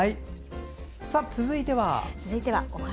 続いては？